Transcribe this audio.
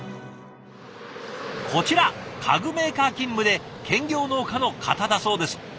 こちら家具メーカー勤務で兼業農家の方だそうです。